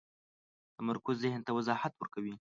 تمرکز ذهن ته وضاحت ورکوي.